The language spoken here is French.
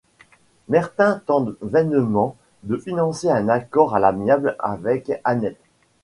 Merthin tente vainement de financer un accord à l'amiable avec Annet.